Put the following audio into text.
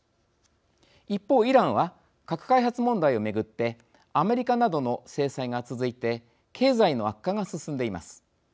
一方、イランは核開発問題を巡ってアメリカなどの制裁が続いて経済の悪化が進んでいます。